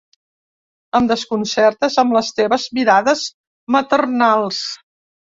Em desconcertes, amb les teves mirades maternals.